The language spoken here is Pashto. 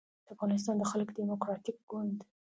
د افغانستان د خلق دیموکراتیک ګوند